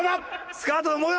スカートの模様